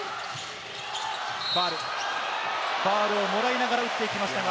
ファウルをもらいながら打っていきましたが。